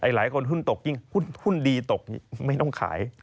หุ้นดีตกไม่ต้องขาย